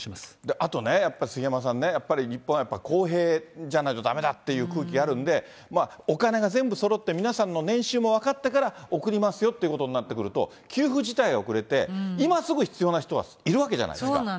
あとね、やっぱり杉山さんね、日本は公平じゃないとだめだっていう空気あるので、お金が全部そろって、皆さんの年収も分かってから、送りますよっていうことになってくると、給付自体が遅れて、今すぐ必要な人はいるわけじゃないですか。